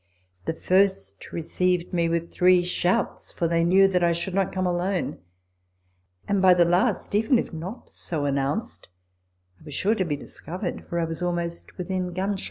The first received me with three shouts, for they knew that I should not come alone ; and by the last, even if not so announced, I was sure to be discovered, for I was almost within gunshot.